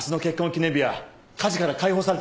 記念日は家事から解放されて２人で。